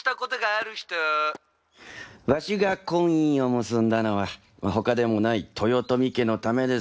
わしが婚姻を結んだのはほかでもない豊臣家のためです。